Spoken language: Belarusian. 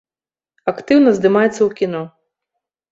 Актыўна здымаецца ў кіно.